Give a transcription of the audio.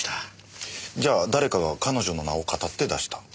じゃあ誰かが彼女の名をかたって出した。